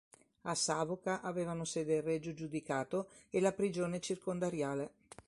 A Savoca avevano sede il regio giudicato e la prigione circondariale.